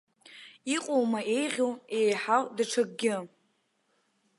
Иҟоума еиӷьу, еиҳау даҽакгьы.